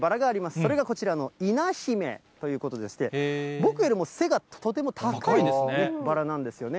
それがこちらのイナ姫ということでして、僕よりも背がとても高いバラなんですよね。